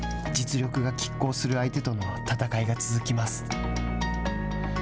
実力が拮抗する相手との戦いが続きます。